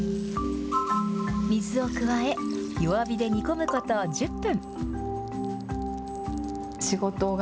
水を加え弱火で煮込むこと１０分。